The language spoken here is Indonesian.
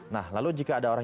nah lalu jika ada orang